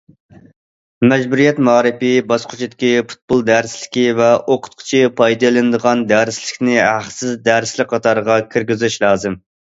مەجبۇرىيەت مائارىپى باسقۇچىدىكى پۇتبول دەرسلىكى ۋە ئوقۇتقۇچى پايدىلىنىدىغان دەرسلىكنى ھەقسىز دەرسلىك قاتارىغا كىرگۈزۈش لازىم.